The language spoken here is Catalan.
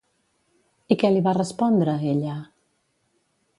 I què li va respondre, ella?